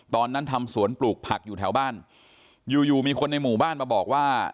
ทำสวนปลูกผักอยู่แถวบ้านอยู่อยู่มีคนในหมู่บ้านมาบอกว่า